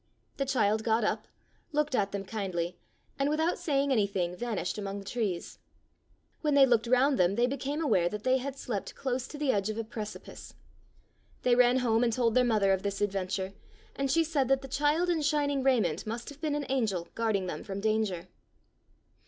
The child got up, looked at them kindly, and without saying anything van ished among the trees. When they looked round them they became aware that they had slept close to the edge of a precipice. They ran home and told their mother of this adventure, and she said that the child in shining raiment must have been an angel guarding them from danger.